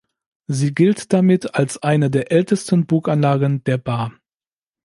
Sie gilt damit als eine der ältesten Burganlagen der Baar.